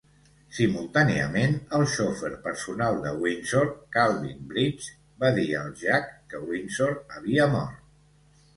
Simultàniament, el xofer personal de Windsor, Calvin Bridges, va dir al Jack que Windsor havia mort.